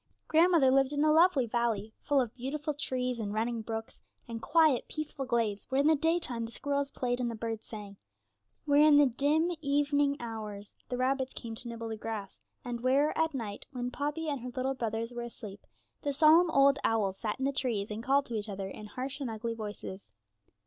Grandmother lived in a lovely valley, full of beautiful trees and running brooks, and quiet, peaceful glades, where in the daytime the squirrels played and the birds sang, where in the dim evening hours the rabbits came to nibble the grass, and where, at night, when Poppy and her little brothers were asleep, the solemn old owls sat in the trees, and called to each other in harsh and ugly voices.